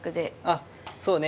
あっそうね